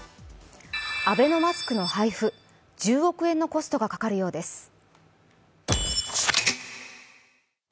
アベノマスクの配布、１０億円のコストがかかるようです。